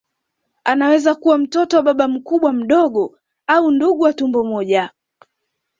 Anaweza kuwa mtoto wa baba mkubwa mdogo au ndugu wa tumbo moja